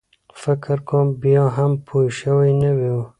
فکر کوم بیا هم پوی شوی نه و.